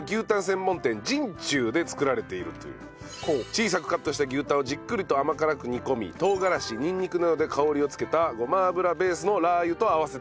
専門店陣中で作られているという小さくカットした牛タンをじっくりと甘辛く煮込み唐辛子にんにくなどで香りを付けたごま油ベースのラー油と合わせたものです。